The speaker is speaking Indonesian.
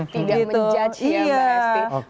tidak menjudge ya mbak esti